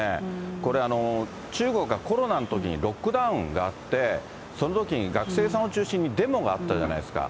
これ、中国がコロナのときにロックダウンがあって、そのときに学生さんを中心にデモがあったじゃないですか。